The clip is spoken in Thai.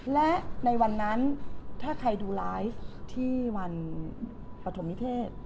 และในวันนั้นถ้าใครดูไลฟ์ที่วันปฐมนิเทศ